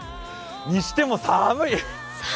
にしても寒い。